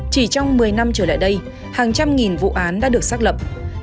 chỉ trong một mươi năm trở lại đây hàng trăm nghìn vụ án đã được xác lập